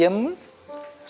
saya sekarang mau ke rumah